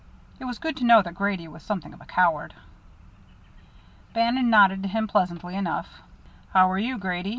It was good to know that Grady was something of a coward. Bannon nodded to him pleasantly enough. "How are you, Grady?"